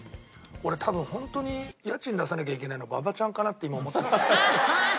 俺多分本当に家賃出さなきゃいけないのは馬場ちゃんかなって今思ってます。